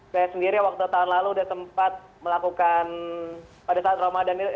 saya sendiri waktu tahun lalu sudah sempat melakukan pada saat ramadan ini